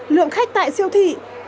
lượng khách tại siêu thị này